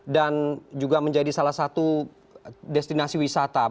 dan juga menjadi salah satu destinasi wisata